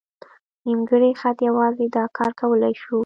نیمګړی خط یوازې دا کار کولی شو.